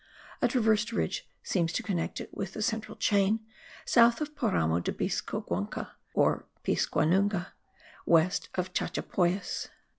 A transversal ridge seems to connect it with the central chain, south of Paramo de Piscoguanuna (or Piscuaguna), west of Chachapoyas.